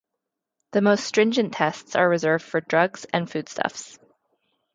The most stringent tests are reserved for drugs and foodstuffs.